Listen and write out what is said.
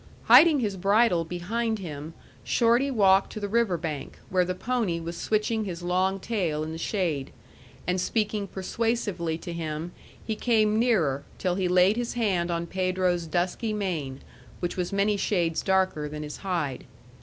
Hiding his bridle behind him, Shorty walked to the river bank, where the pony was switching his long tail in the shade; and speaking persuasively to him, he came nearer, till he laid his hand on Pedro's dusky mane, which was many shades darker than his hide.